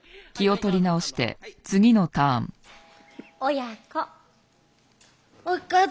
親子。